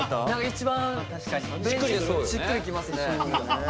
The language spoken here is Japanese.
一番しっくりきますね。